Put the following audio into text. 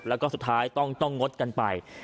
แล้วก็สุดท้ายต้องงดกันไป